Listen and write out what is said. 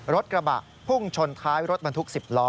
รถกระบะพุ่งชนท้ายรถบรรทุก๑๐ล้อ